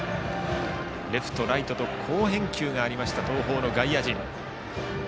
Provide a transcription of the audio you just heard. レフト、ライトと好返球があった東邦の外野陣。